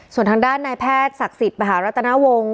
ส่วนทางด้านนายแพทย์ศักดิ์สิทธิ์มหารัตนาวงศ์